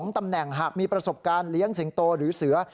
ตำแหน่งหากมีประสบการณ์เลี้ยงสิงโตหรือเสือ